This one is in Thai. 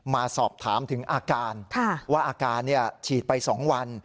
มาสอบถามถึงอาการว่าอาการฉีดไป๒วัน